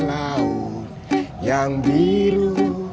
laut yang biru